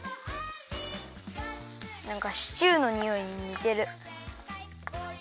なんかシチューのにおいににてる。